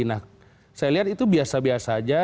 nah saya lihat itu biasa biasa aja